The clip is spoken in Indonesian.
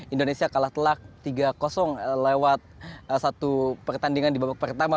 indonesia kalah telak tiga lewat satu pertandingan di babak pertama